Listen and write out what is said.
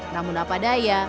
namun apa daya